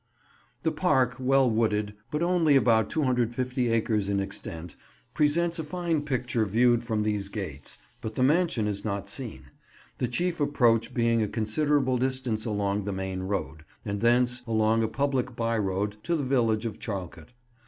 The park, well wooded, but only about 250 acres in extent, presents a fine picture viewed from these gates, but the mansion is not seen; the chief approach being a considerable distance along the main road, and thence along a public by road to the village of Charlecote.